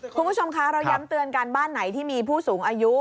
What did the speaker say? คุณผู้ชมคะเราย้ำเตือนกันบ้านไหนที่มีผู้สูงอายุ